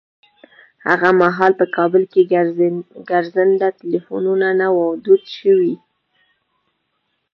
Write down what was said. هغه مهال په کابل کې ګرځنده ټليفونونه نه وو دود شوي.